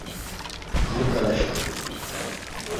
Anǩaraşa ulun.